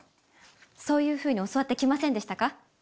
そういうふうに教わって来ませんでしたか？